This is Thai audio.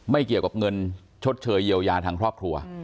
ไม่เกี่ยวกับเงินชดเชยเยียวยาทางครอบครัว